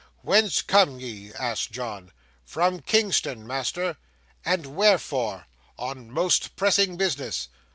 'Whence come ye?' said John. 'From Kingston, master.' 'And wherefore?' 'On most pressing business.